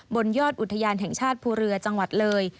บนยอดอุทยานแห่งชาติภูเรือจังหวัดเลย